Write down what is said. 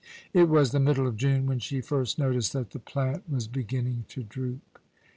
It was the middle of June when she first noticed that the plant was beginning to droop.